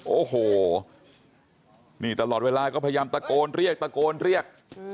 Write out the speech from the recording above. โอ้โหนี่ตลอดเวลาก็พยายามตะโกนเรียกตะโกนเรียก